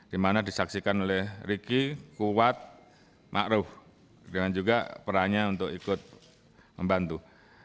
di mana disaksikan oleh riki kuwat ma'ruf dengan juga perannya untuk ikut membantu